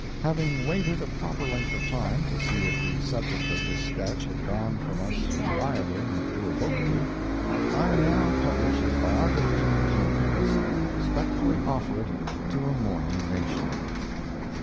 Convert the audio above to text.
Having waited a proper length of time, to see if the subject of his sketch had gone from us reliably and irrevocably, I now publish his biography with confidence, and respectfully offer it to a mourning nation.